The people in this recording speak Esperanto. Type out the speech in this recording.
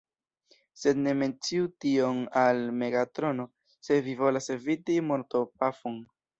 Sed ne menciu tion al Megatrono, se vi volas eviti mortopafon!